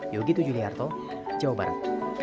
yogyakarta jawa barat